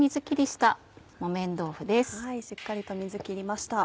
しっかりと水きりました。